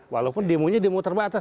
walaupun demonya demo terbatas